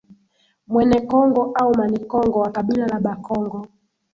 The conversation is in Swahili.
Mwene Kongo au Manikongo wa kabila la Bakongo